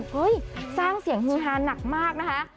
เฮ้ยสร้างเสียงฮือฮาหนักมากนะคะ